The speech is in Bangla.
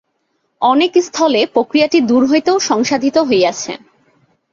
অনেকস্থলে প্রক্রিয়াটি দূর হইতেও সংসাধিত হইয়াছে।